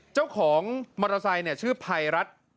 เจ้าของมอเตอร์ไซค์ชื่อภัยรัฐ